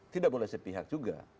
tidak boleh sepihak juga